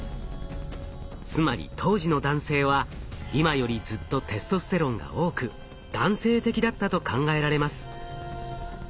つまり当時の男性は今よりずっとテストステロンが多く男性的だったと考えられます。